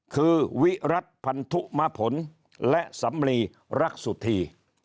คือวิรัติพันธุมผลและสำลีรักสุธี